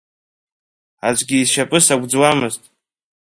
Аӡәгьы ишьапы сагәӡуамызт.